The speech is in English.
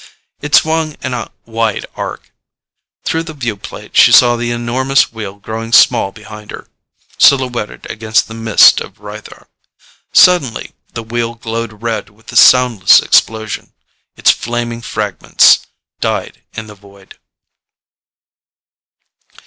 It swung in a wide arc. Through the viewplate she saw the enormous Wheel growing small behind her, silhouetted against the mist of Rythar. Suddenly the wheel glowed red with a soundless explosion. Its flaming fragments died in the void.